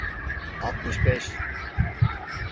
Altmış beş.